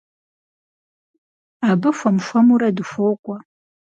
Абы хуэм-хуэмурэ дыхуокӏуэ.